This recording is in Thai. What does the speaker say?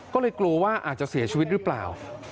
ก็เลยกลัวว่าอาจจะเสียชีวิตหรือเปล่า